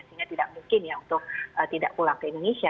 sehingga tidak mungkin ya untuk tidak pulang ke indonesia